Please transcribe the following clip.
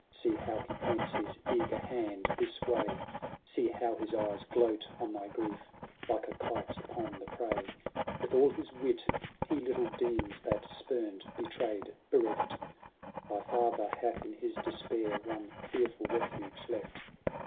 See how he points his eager hand this way ! See how his eyes gloat on thy grief, like a kite's upon the prey ! With all his wit, he little deems, that, spurned, betrayed, bereft. Thy father hath in his despair one fearful refuge left.